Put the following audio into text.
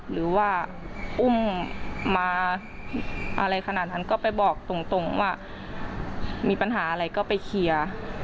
หรือว่าอุ้มมาอะไรขนาดนั้นก็ไปบอกตรงว่ามีปัญหาอะไรก็ไปเคลียร์